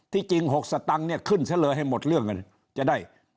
ที่จริง๖สตังค์ขึ้นเฉลยให้หมดเรื่องกัน